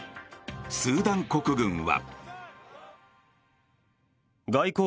スーダン国軍は。